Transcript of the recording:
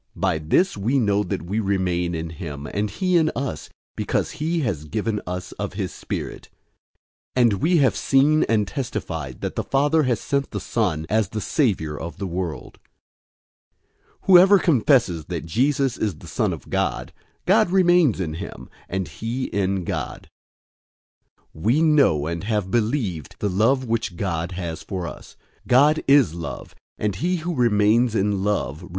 004:013 By this we know that we remain in him and he in us, because he has given us of his Spirit. 004:014 We have seen and testify that the Father has sent the Son as the Savior of the world. 004:015 Whoever confesses that Jesus is the Son of God, God remains in him, and he in God. 004:016 We know and have believed the love which God has for us.